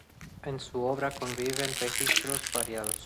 En su obra conviven registros variados.